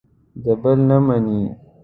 د بل نه مني.